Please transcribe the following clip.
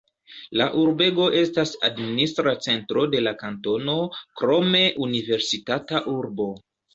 La urbego estas administra centro de la kantono, krome universitata urbo.